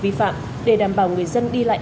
vi phạm để đảm bảo người dân đi lại